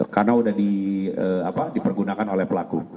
karena sudah dipergunakan oleh pelaku